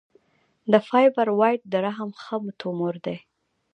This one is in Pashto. د فایبروایډ د رحم ښه تومور دی.